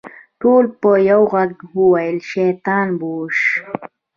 ټولو په يوه ږغ وويل شيطان بوش.